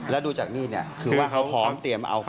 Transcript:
แล้วดูจากมีดคือว่าเค้าพร้อมเตรียมเอา